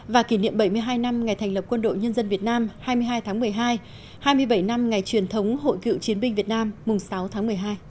và kỷ niệm bảy mươi hai năm ngày thành lập quân đội nhân dân việt nam hai mươi hai tháng một mươi hai hai mươi bảy năm ngày truyền thống hội cựu chiến binh việt nam mùng sáu tháng một mươi hai